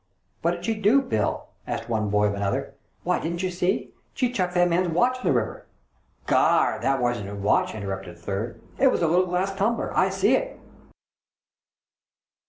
"^Vhat did she do, Bill?" asked one boy of another. " Why, didn't ye see? She chucked that man's watch in the river." " Garn ! that wasn't his watch !" interrupted a third, " it was a little glass tumbler. I see it